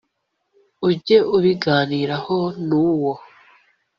ujye ubiganiraho n uwo